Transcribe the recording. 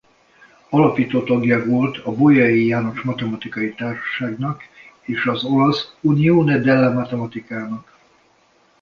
Alapító tagja volt a Bolyai János Matematikai Társaságnak és az olasz Unione della Matematicá-nak.